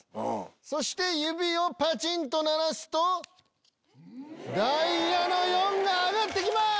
そして指をパチンと鳴らすとダイヤの４が上がってきます！